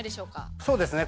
そうですね。